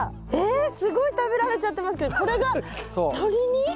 えっすごい食べられちゃってますけどこれが鳥に？